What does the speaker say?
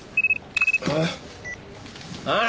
ああ！